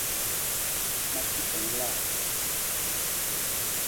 Ma ci sa ma la.